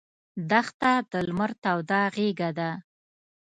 دښته د لمر توده غېږه ده.